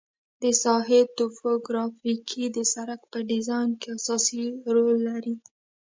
د ساحې توپوګرافي د سرک په ډیزاین کې اساسي رول لري